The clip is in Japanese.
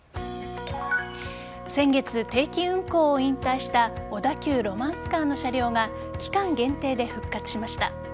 先月、定期運行を引退した小田急ロマンスカーの車両が期間限定で復活しました。